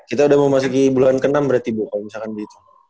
kita udah mau masukin bulan ke enam berarti bu kalo misalkan gitu